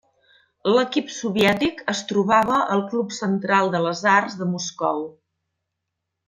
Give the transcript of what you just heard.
L'equip soviètic es trobava al Club Central de les Arts de Moscou.